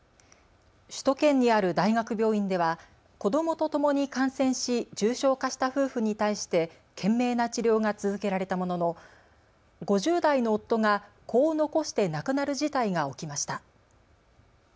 首都圏にある大学病院では子どもとともに感染し重症化した夫婦に対して懸命な治療が続けられたものの５０代の夫が子を残して亡くなる事態が起きました。